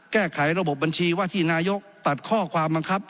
แก้ไขระบบบัญชีว่าที่นายกตัดข้อความบังคับ